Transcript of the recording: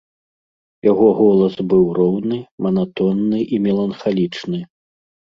Яго голас быў роўны, манатонны і меланхалічны.